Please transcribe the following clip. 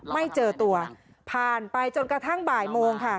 ไม่เจอตัวผ่านไปจนกระทั่งบ่ายโมงค่ะ